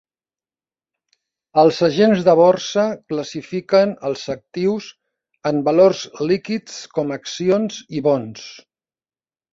Els agents de borsa classifiquen els actius en valors líquids com accions i bons.